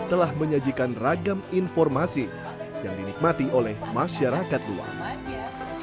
telah menyajikan ragam informasi yang dinikmati oleh masyarakat luas